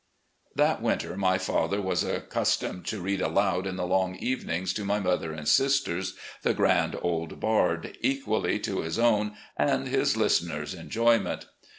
That winter, my father was accustomed to read aloud in the long evenings to my mother and sisters "The Grand Old Bard," equally to his own and his listeners' enjo5mient.